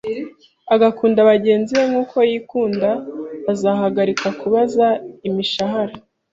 agakunda bagenzi nk’uko yikunda, azahagarika kubaza imishahara,